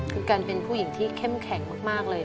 คือการเป็นผู้หญิงที่เข้มแข็งมากเลย